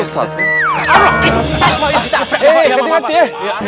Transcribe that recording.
eh ganti ganti ya